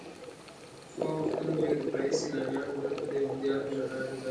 پخوا وختونو کې اروپایي سیلانیانو دلته د یهودیانو ژړا لیدله.